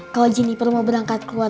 kalau jeniper mau berangkat ke rumah